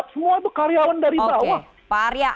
semua itu karyawan dari bawah